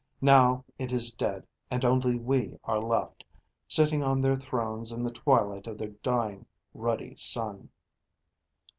Now it is dead, and only we are left, sitting on their thrones in the twilight of their dying, ruddy sun."